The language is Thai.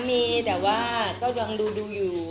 มีแต่ว่าต้องระวังดูดูอยู่